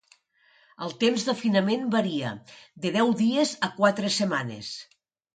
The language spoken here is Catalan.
El temps d'afinament varia, de deu dies a quatre setmanes.